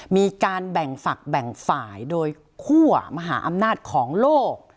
มีการแบ่งฝักแบ่งฝ่ายโดยคั่วมหาอำนาจของโลก